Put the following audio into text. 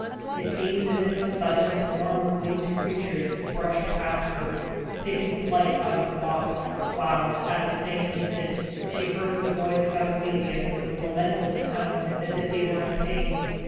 It seemed as if a sudden swarm of winged creatures brushed past her, taking flight out of the box, while, at the same instant, she heard the voice of Epimetheus, with a lamentable tone, as if he were in pain.